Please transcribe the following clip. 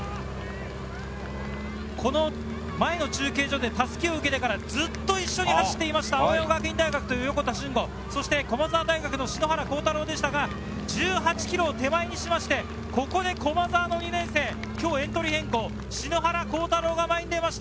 この前の中継所で襷を受けてからずっと一緒に走っていました、青山学院大学・横田俊吾、駒澤大学・篠原倖太朗でしたが１８ｋｍを手前にしまして、ここで駒澤２年生、今日エントリー変更、篠原倖太朗が前に出ました。